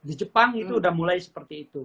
di jepang itu udah mulai seperti itu